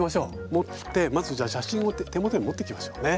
持ってまずじゃあ写真を手元に持ってきましょうね。